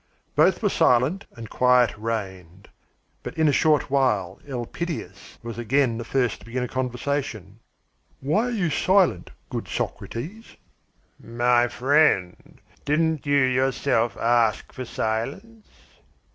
Both were silent, and quiet reigned. But in a short while Elpidias was again the first to begin a conversation. "Why are you silent, good Socrates?" "My friend; didn't you yourself ask for silence?"